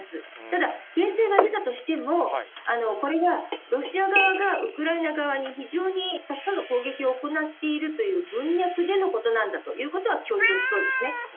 ただ、訂正が出たとしても、これがロシア側がウクライナ側に非常にたくさんの攻撃を行っているという文脈でのことなんだということは強調しそうですね。